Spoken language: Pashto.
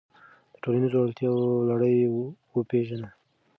د ټولنیزو اړتیاوو لړۍ وپیژنه.